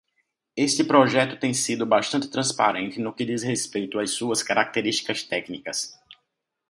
Este projeto tem sido bastante transparente no que diz respeito às suas características técnicas.